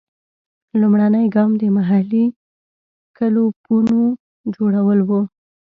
لومړنی ګام د محلي کلوپونو جوړول وو.